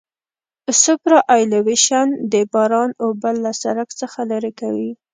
سوپرایلیویشن د باران اوبه له سرک څخه لرې کوي